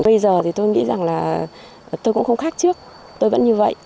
bây giờ thì tôi nghĩ rằng là tôi cũng không khác trước tôi vẫn như vậy